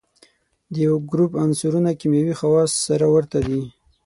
د یوه ګروپ عنصرونه کیمیاوي خواص سره ورته دي.